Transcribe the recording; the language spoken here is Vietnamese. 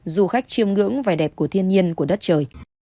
du khách chiêm ngưỡng vẻ đẹp của thiên nhiên của đất trời